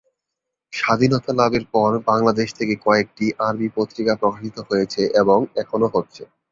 স্বাধীনতা লাভের পর বাংলাদেশ থেকে কয়েকটি আরবি পত্রিকা প্রকাশিত হয়েছে এবং এখনও হচ্ছে।